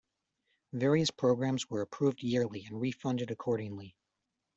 Various programs were approved yearly and re-funded accordingly.